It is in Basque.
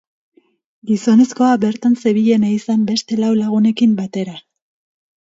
Gizonezkoa bertan zebilen ehizan beste lau lagunekin batera.